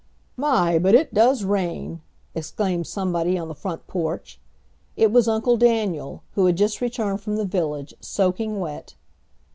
"My, but it does rain!" exclaimed somebody on the front porch. It was Uncle Daniel, who had just returned from the village, soaking wet.